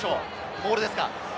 モールですか？